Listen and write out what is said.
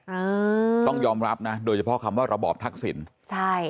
อืมต้องยอมรับนะโดยเฉพาะคำว่าระบอบทักษิณใช่